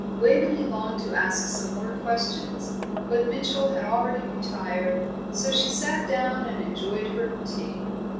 Waveney longed to ask some more questions, but Mitchell had already retired, so she sat down and enjoyed her tea.